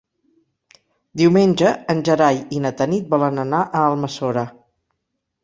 Diumenge en Gerai i na Tanit volen anar a Almassora.